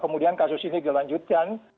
kemudian kasus ini dilanjutkan